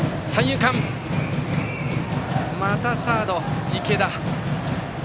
またサード、池田。